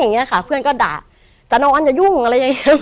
อย่างเงี้ยค่ะเพื่อนก็ด่าจะนอนอย่ายุ่งอะไรอย่างเงี้ย